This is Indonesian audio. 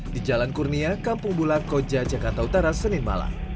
di jalan kurnia kampung bulak koja jakarta utara senin malam